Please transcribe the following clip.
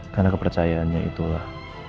karena kepercayaannya itulah